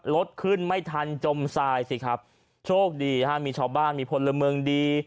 รถขึ้นไม่ทันจมทรายสิครับโชคดีฮะมีชาวบ้านมีพลเมืองดี